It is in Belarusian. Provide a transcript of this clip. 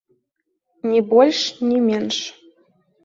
Ні больш ні менш.